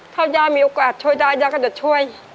ถ้าย่ามีโอกาสช่วยได้ย่าก็จะช่วย